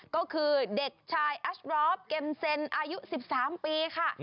ก็คือเด็กชายอัชรอฟเกมเซนอายุ๑๓ปีค่ะ